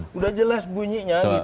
sudah jelas bunyinya gitu loh